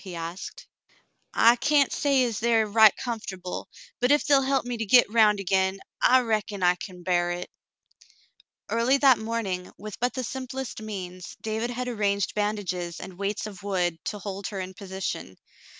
" he asked. "I cyan't say as they air right comfortable, but ef they'll help me to git 'round agin, I reckon I can bar hit." Early that morning, with but the simplest means, David had arranged bandages and weights of wood to hold her in position.